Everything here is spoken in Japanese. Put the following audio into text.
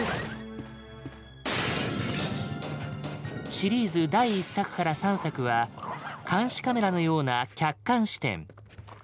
シリーズ第１作から３作は監視カメラのような客観視点。